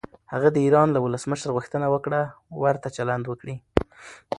هغه د ایران له ولسمشر غوښتنه وکړه ورته چلند وکړي.